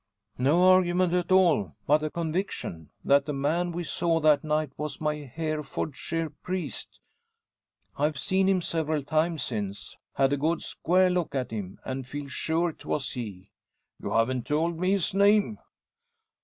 "No argument at all, but a conviction, that the man we saw that night was my Herefordshire priest. I've seen him several times since had a good square look at him and feel sure 'twas he." "You haven't yet told me his name?"